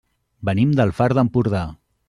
Venim del Far d'Empordà.